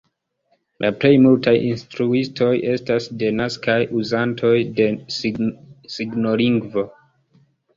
La plej multaj instruistoj estas denaskaj uzantoj de signolingvo.